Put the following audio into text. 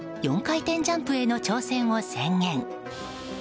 ４回転ジャンプへの挑戦を宣言。